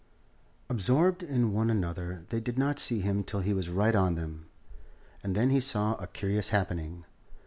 Absorbed in one another, they did not see him till he was right on them, and then he saw a curious happening.